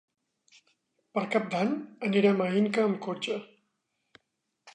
Per Cap d'Any anirem a Inca amb cotxe.